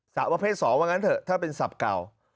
สามารถเพศสองว่างั้นเถอะถ้าเป็นศัพท์เก่า